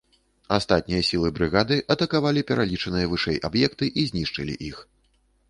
Астатнія сілы брыгады атакавалі пералічаныя вышэй аб'екты і знішчылі іх.